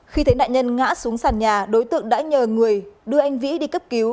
khi thấy nạn nhân ngã xuống sàn nhà đối tượng đã nhờ người đưa anh vĩ đi cấp cứu